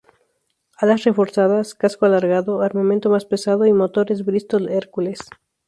Alas reforzadas, casco alargado, armamento más pesado y motores Bristol Hercules.